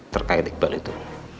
terkait iqbal itu